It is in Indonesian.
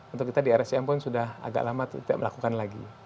untuk kita di rsjm pun sudah agak lama tidak melakukan lagi